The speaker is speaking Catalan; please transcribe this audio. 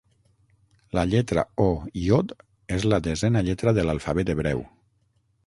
La lletra o iod és la desena lletra de l'alfabet hebreu.